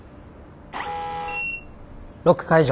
ロック解除。